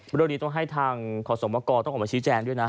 เรื่องนี้ต้องให้ทางขอสมกรต้องออกมาชี้แจงด้วยนะ